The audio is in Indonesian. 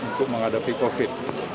untuk menghadapi covid sembilan belas